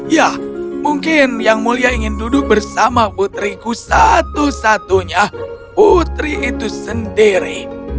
ya mungkin yang mulia ingin duduk bersama putriku satu satunya putri itu sendiri